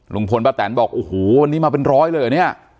ลุงพลป้าแตนบอกโอ้โหวันนี้มาเป็นร้อยเลยเหรอเนี่ย